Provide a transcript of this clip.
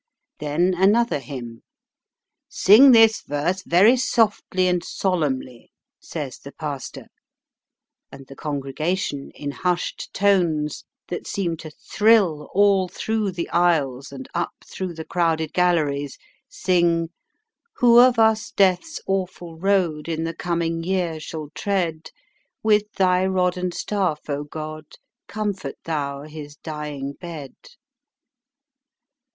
Then another hymn. "Sing this verse very softly and solemnly," says the pastor; and the congregation in hushed tones, that seem to thrill all through the aisles and up through the crowded galleries, sing: "Who of us death's awful road In the coming year shall tread, With Thy rod and staff, O God, Comfort Thou his dying bed."